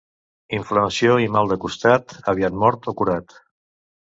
Inflamació i mal de costat, aviat mort o curat.